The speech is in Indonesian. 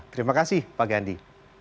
terima kasih pak gandhi